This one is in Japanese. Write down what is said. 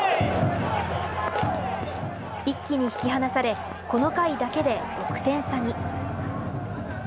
一気に引き離されこの回だけで６点差に。